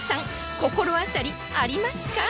心当たりありますか？